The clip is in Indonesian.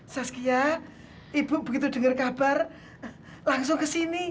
saskia ibu begitu denger kabar langsung ke sini